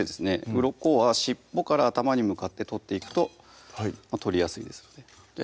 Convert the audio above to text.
うろこは尻尾から頭に向かって取っていくと取りやすいですのででは